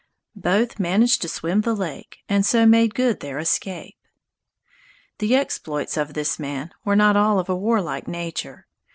Both managed to swim the lake, and so made good their escape. The exploits of this man were not all of a warlike nature.